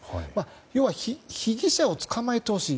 要は被疑者を捕まえてほしい。